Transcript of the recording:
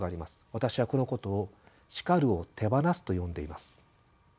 私はこのことを「叱るを手放す」と呼んでいます。